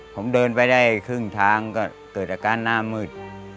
ผมเดินไปได้ครึ่งทางก็เกิดอาการหน้ามืด